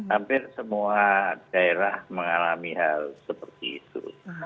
hampir semua daerah mengalami hal seperti itu